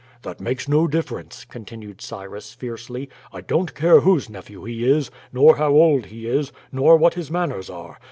"That makes no difference," continued Cyrus, fiercely. "I don't care whose nephew he is, nor how old he is, nor what his manners are.